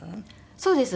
そうです。